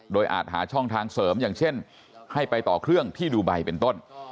โดยอาจหาช่องทางเสริมอย่างเช่นให้ไปต่อเครื่องที่ดูไบเป็นต้น